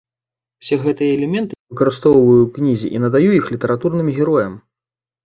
Усе гэтыя элементы я выкарыстоўваю ў кнізе і надаю іх літаратурным героям.